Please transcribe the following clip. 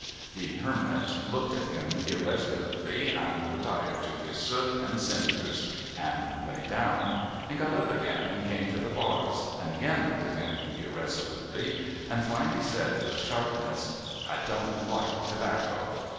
' The Hermit looked at him irresolutely, and retired to his soot and cinders and lay down, and got up again and came to the bars, and again looked at him irresolutely, and finally said with sharpness :' I don't like tobacco.'